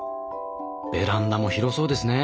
ベランダも広そうですね。